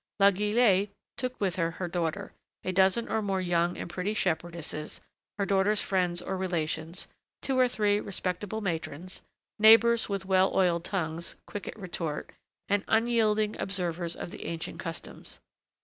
La Guillette took with her her daughter, a dozen or more young and pretty shepherdesses, her daughter's friends or relations, two or three respectable matrons, neighbors with well oiled tongues, quick at retort, and unyielding observers of the ancient customs.